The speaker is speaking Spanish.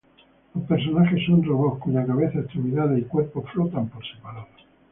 Los personajes son robots cuya cabeza, extremidades y cuerpo flotan por separado.